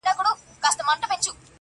دا کیسه موږ ته را پاته له پېړیو؛